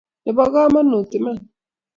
Nebo kamanuut, iman